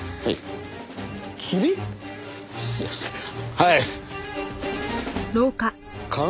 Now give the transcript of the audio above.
はい。